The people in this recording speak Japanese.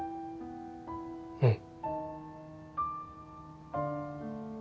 うん。